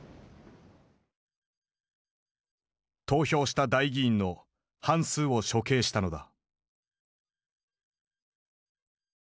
投票した代議員の半数を処刑したのだ。